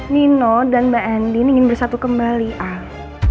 nino dan mbak andin ingin bersatu kembali al